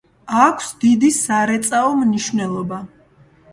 აქვს დიდი სარეწაო მნიშვნელობა.